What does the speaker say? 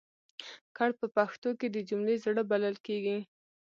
کړ په پښتو کې د جملې زړه بلل کېږي.